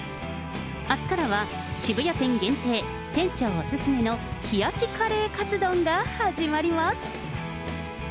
あすからは渋谷店限定、店長お勧めの冷やしカレーかつ丼が始まります。